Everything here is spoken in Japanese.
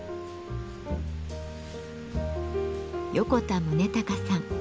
横田宗隆さん。